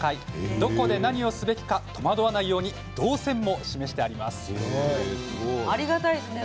どこで何をすべきか戸惑わないように動線も示してあります。